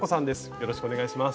よろしくお願いします。